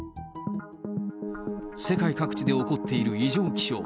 世界各地で起こっている異常気象。